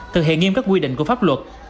thực hiện nghiêm các quy định của pháp luật